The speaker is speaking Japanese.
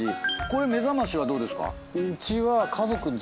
これ目覚ましはどうですか？